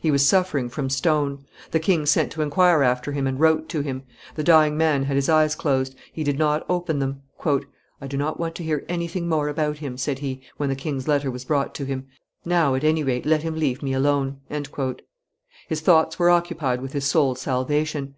He was suffering from stone; the king sent to inquire after him and wrote to him. The dying man had his eyes closed; he did not open them. "I do not want to hear anything more about him," said he, when the king's letter was brought to him; "now, at any rate, let him leave me alone." His thoughts were occupied with his soul's salvation.